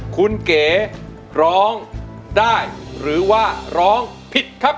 คุณเก๋ร้องได้หรือว่าร้องผิดครับ